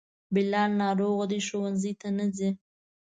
بلال ناروغه دی, ښونځي ته نه ځي